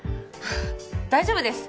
大丈夫です